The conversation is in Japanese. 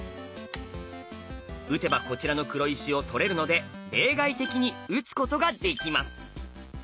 打てばこちらの黒石を取れるので例外的に打つことができます。